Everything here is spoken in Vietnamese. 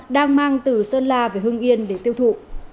đang mang từ sơn la về hưng yên để tiêu thụ